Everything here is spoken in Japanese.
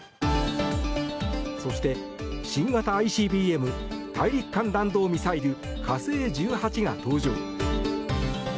そして、新型ＩＣＢＭ・大陸間弾道ミサイル火星１８が登場。